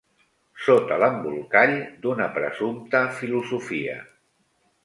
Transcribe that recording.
Sota l'embolcall d'una presumpta filosofia